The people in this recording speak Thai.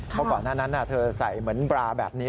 เพราะก่อนหน้านั้นเธอใส่เหมือนบราแบบนี้